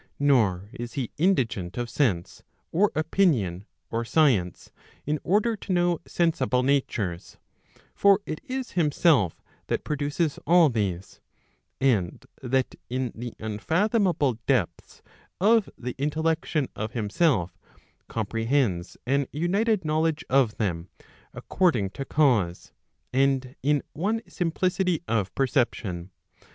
Nor is he indigent of sense, or opinion, or science, in order to know sensible natures : for it is himself that produces all these, and that in the unfathomable depths of the intellection of himself, comprehends an united knowledge of them, according to cause, and in one simplicity of perception.